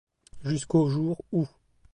Jusqu'au jour où...